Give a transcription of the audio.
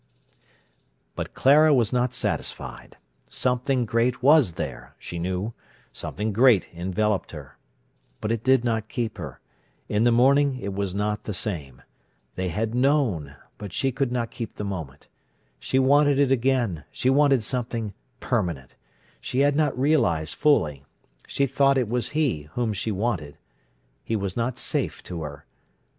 But Clara was not satisfied. Something great was there, she knew; something great enveloped her. But it did not keep her. In the morning it was not the same. They had known, but she could not keep the moment. She wanted it again; she wanted something permanent. She had not realised fully. She thought it was he whom she wanted. He was not safe to her.